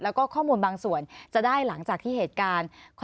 แล้วก็ข้อมูลบางส่วนจะได้หลังจากที่เหตุการณ์